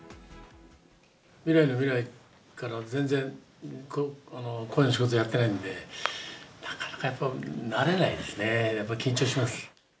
未来のミライから、全然声の仕事やってないんで、なかなかやっぱり、慣れないですね、やっぱり緊張します。